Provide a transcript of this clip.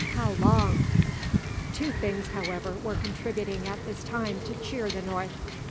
how long?" Two things, however, were contributing at this time to cheer the North.